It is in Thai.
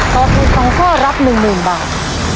ตอบถูก๒ข้อรับ๑๐๐๐บาท